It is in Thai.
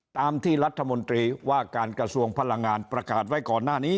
ตามที่รัฐมนตรีว่าการกระทรวงพลังงานประกาศไว้ก่อนหน้านี้